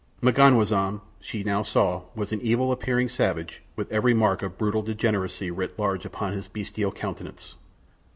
M'ganwazam, she now saw, was an evil appearing savage with every mark of brutal degeneracy writ large upon his bestial countenance.